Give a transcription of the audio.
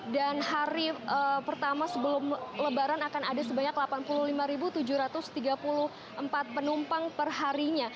dan hari pertama sebelum lebaran akan ada sebanyak delapan puluh lima tujuh ratus tiga puluh empat penumpang perharinya